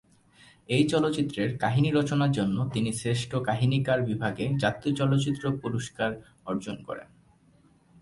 এই চলচ্চিত্রের কাহিনি রচনার জন্য তিনি শ্রেষ্ঠ কাহিনীকার বিভাগে জাতীয় চলচ্চিত্র পুরস্কার অর্জন করেন।